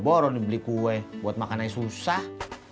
orang dibeli kue buat makan aja susah